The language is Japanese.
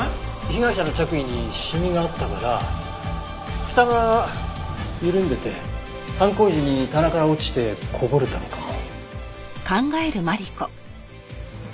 被害者の着衣に染みがあったからふたが緩んでて犯行時に棚から落ちてこぼれたのかも。